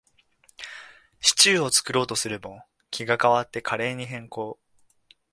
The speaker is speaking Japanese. シチューを作ろうとするも、気が変わってカレーに変更